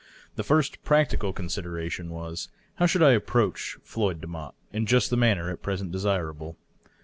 The first practical consideration was, how should I approach Floyd Demotte in just the manner at present desira ble?